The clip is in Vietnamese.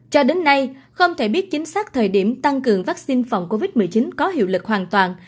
cho đến nay không thể biết chính xác thời điểm tăng cường vaccine phòng covid một mươi chín có hiệu lực hoàn toàn